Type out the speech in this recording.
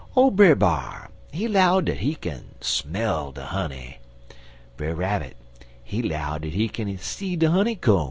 Ole Brer B'ar, he 'low dat he kin smell de honey. Brer Rabbit, he 'low dat he kin see de honey koam.